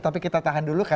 tapi kita tahan dulu